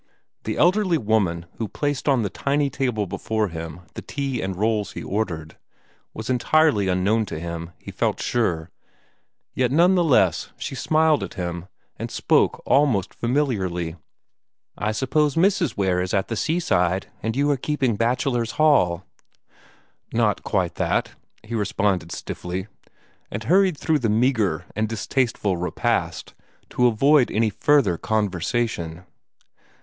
The elderly woman who placed on the tiny table before him the tea and rolls he ordered, was entirely unknown to him, he felt sure, yet none the less she smiled at him, and spoke almost familiarly "I suppose Mrs. Ware is at the seaside, and you are keeping bachelor's hall?" "Not quite that," he responded stiffly, and hurried through the meagre and distasteful repast, to avoid any further conversation.